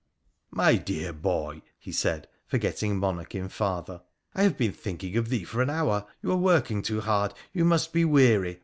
' My dear boy !' he said, forgetting monarch in father, ' I have been thinking of thee for an hour. You are working too hard ; you must be weary.